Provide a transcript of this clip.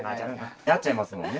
なっちゃいますもんね。